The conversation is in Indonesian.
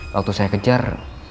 waktu saya kejar